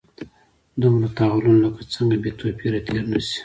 دومره تحولونو له څنګه بې توپیره تېر نه شي.